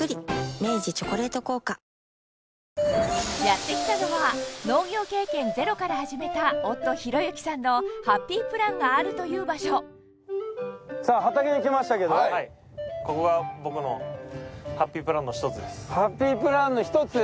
明治「チョコレート効果」やってきたのは農業経験ゼロから始めた夫・寛之さんのハッピープランがあるという場所さあ畑に来ましたけどハッピープランの一つ？